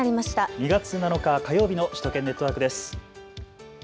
２月７日火曜日の首都圏ネットワークです。